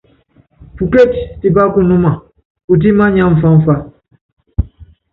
Pukétí tipá kunúma putɛ́ mánya mfamfa.